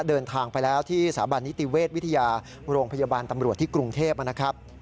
เดินทางไปแล้วที่สถาบันนิติเวชวิทยาโรงพยาบาลตำรวจที่กรุงเทพนะครับ